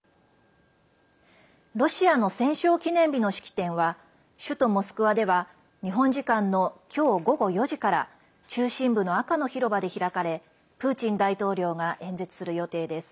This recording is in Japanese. ロシアの戦勝記念日の式典は首都モスクワでは日本時間のきょう午後４時から中心部の赤の広場で開かれプーチン大統領が演説する予定です。